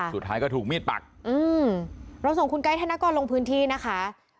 สุดท้ายก็ถูกมีดปักอืมเราส่งคุณไกด์ธนกรลงพื้นที่นะคะ